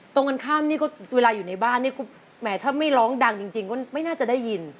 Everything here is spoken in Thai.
ตรงกันข้ามนี่ก็เวลาอยู่ในบ้านนี่ก็แหมถ้าไม่ร้องดังจริงก็ไม่น่าจะได้ยิน